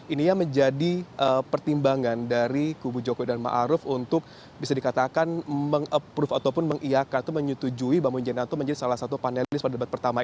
ini yang menjadi pertimbangan dari kpu jokowi dan ma'ruf untuk bisa dikatakan meng approve ataupun meng iakar atau menyetujui bimbi jayanto menjadi salah satu panelis pada debat pertama ini